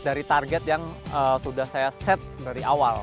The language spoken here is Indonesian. dari target yang sudah saya set dari awal